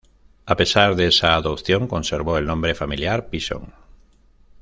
A pesar de esta adopción, conservó el nombre familiar "Pisón".